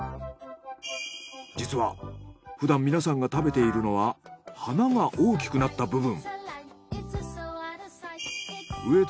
実は普段皆さんが食べているのは花が大きくなった部分。